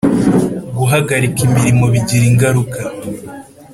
guhagarika imirimo bigira ingaruka